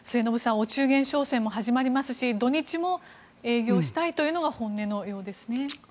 お中元商戦も始まりますし土日も営業したいというのが本音のようですね。